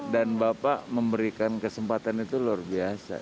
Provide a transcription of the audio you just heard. dan bapak memberikan kesempatan itu luar biasa